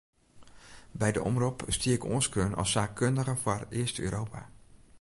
By de omrop stie ik oanskreaun as saakkundige foar East-Europa.